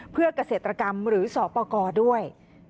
เพื่อเกษตรกรรมหรือสอปกรด้วย